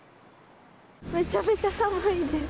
めちゃめちゃ寒いです。